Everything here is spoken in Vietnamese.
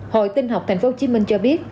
hội tinh học tp hcm cho biết